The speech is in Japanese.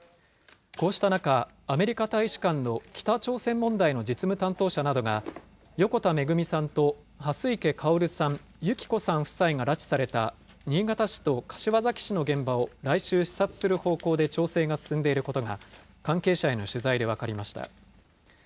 こうした中、アメリカ大使館の北朝鮮問題の実務担当者などが、横田めぐみさんと蓮池薫さん、祐木子さん夫妻が拉致された新潟市と柏崎市の現場を来週視察する方向で調整が進んでいることが、関係者への取材で分かりました。